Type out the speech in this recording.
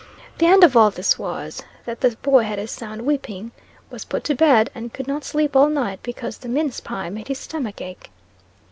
The end of all this was, that the boy had a sound whipping, was put to bed, and could not sleep all night, because the mince pie made his stomach ache.